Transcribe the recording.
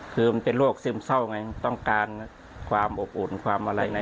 คือมันเป็นโรคซึมเศร้าไงต้องการความอบอุ่นความอะไร